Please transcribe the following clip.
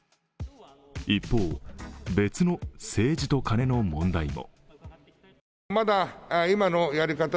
一方、別の政治とカネの問題も。